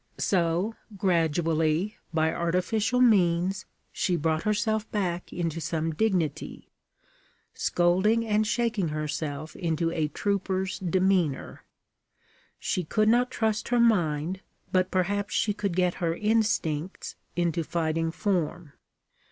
So gradually, by artificial means, she brought herself back into some dignity; scolding and shaking herself into a trooper's demeanor. She could not trust her mind, but perhaps she could get her instincts into fighting form.